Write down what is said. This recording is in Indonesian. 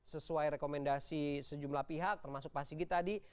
sesuai rekomendasi sejumlah pihak termasuk pak sigit tadi